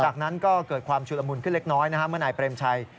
จากนั้นก็เกิดความชุลมุนขึ้นเล็กน้อยเมื่อนายเปรมชัย